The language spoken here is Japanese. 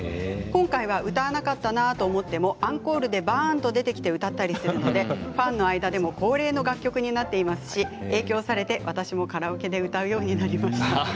今回は歌わなかったなと思ってもアンコールで、ばーんと出てきて歌ったりするのでファンの間でも恒例の楽曲になっていますし影響されて私はカラオケで歌うようになりました。